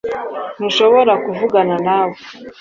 Ntushobora kuvugana nawe